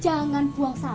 jangan buang sampahnya